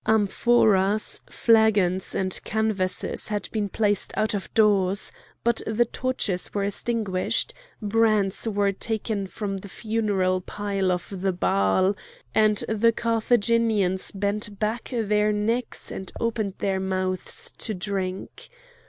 Amphoras, flagons, and canvases had been placed out of doors; but the torches were extinguished; brands were taken from the funeral pile of the Baal, and the Carthaginians bent back their necks and opened their mouths to drink.